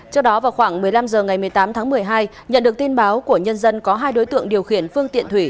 trước đó vào khoảng một mươi năm h ngày một mươi tám tháng một mươi hai nhận được tin báo của nhân dân có hai đối tượng điều khiển phương tiện thủy